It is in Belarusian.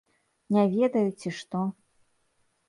Не ведаю, ці што?